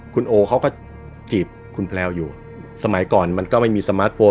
คุณโอเขาก็จีบคุณแพลวอยู่สมัยก่อนมันก็ไม่มีสมาร์ทโฟน